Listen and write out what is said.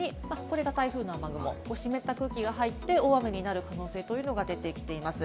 これが台風の雨雲、湿った空気が入って大雨になる可能性というのが出てきています。